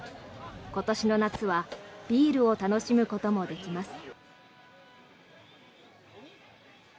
今年の夏はビールを楽しむこともできます。